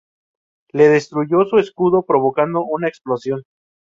Le destruyó su escudo provocando una explosión.